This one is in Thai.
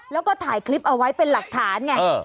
แล้วก็ถ่ายคลิปเอาไว้เป็นหลักฐานไง